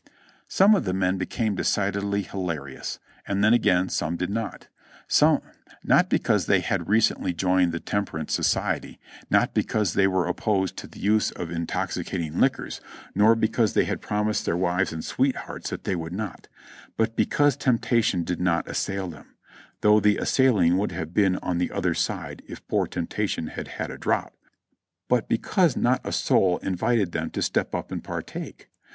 Some of the men became decidedly hilarious, and then again some did not: not because they had recently joined the tem perance society nor because they were opposed to the use of in A LONG REST 329 toxicating liquors, nor because they had promised their wives and sweethearts that they would not, but because Temptation did not assail them (though the assailing would have been on the other side if poor Temptation had had a drop), but because not a soul invited them to step up and partake.